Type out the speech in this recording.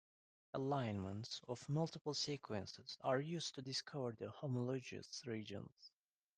Alignments of multiple sequences are used to discover the homologous regions.